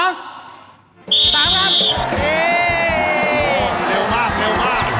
เร็วมากเร็วมาก